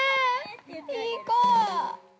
いい子！